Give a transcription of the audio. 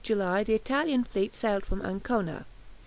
On 16 July the Italian fleet sailed from Ancona.